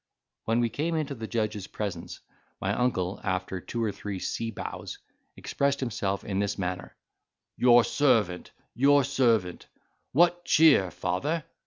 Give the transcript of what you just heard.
When we came into the judge's presence my uncle, after two or three sea bows, expressed himself in this manner; "Your servant, your servant. What cheer, father?